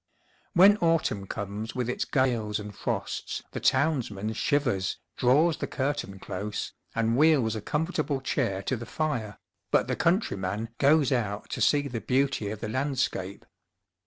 When autumn comes with its gales and frosts the townsman shivers, draws the curtain close, and wheels a comfortable chair to the fire, but the countryman goes out to see the beauty of the landscape.